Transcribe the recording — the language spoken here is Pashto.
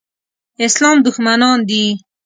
اسلام دښمنان دي.